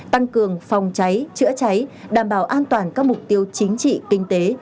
tăng cường phòng cháy chữa cháy đảm bảo an toàn các mục tiêu chính trị kinh tế